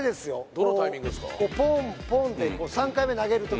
どのタイミングですか？